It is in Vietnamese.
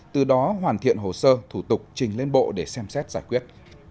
từ đó hoàn thiện hồ sơ thủ tục trình lên bộ để xem xét giải quyết